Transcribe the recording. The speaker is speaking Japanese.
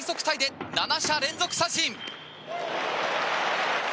タイで７者連続三振。